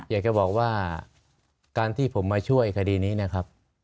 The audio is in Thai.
อยากจะบอกว่าการที่ผมมาช่วยคดีนี้นะครับ